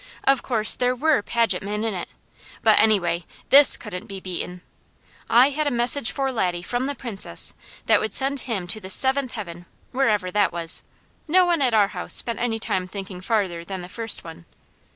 Of course, there WERE Paget men in it. But anyway, THIS couldn't be beaten. I had a message for Laddie from the Princess that would send him to the seventh heaven, wherever that was; no one at our house spent any time thinking farther than the first one.